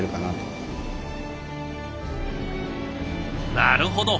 なるほど。